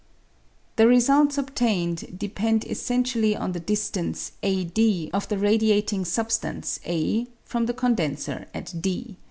The results obtained depend essentially on the distance, AD, of the radiating substance, a, from the the condenser at D.